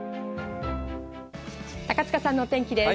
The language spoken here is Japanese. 高塚さんのお天気です。